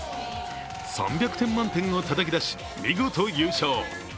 ３００点満点をたたき出し見事優勝。